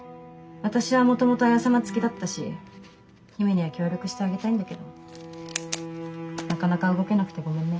私はもともと文様付きだったし姫には協力してあげたいんだけどなかなか動けなくてごめんね。